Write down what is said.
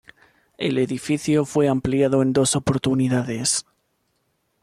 El edificio fue ampliado en dos oportunidades.